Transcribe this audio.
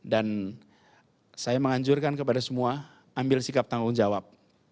dan saya menganjurkan kepada semua ambil sikap tanggung jawab